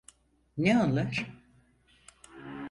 Ne onlar?